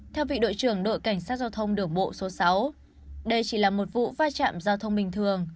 theo vị đội trưởng đội cảnh sát giao thông đường bộ số sáu đây chỉ là một vụ vai trạm giao thông bình thường